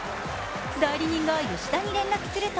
代理人が吉田に連絡すると